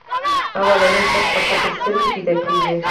لومړنی شک په خط السیر کې پیدا کیږي.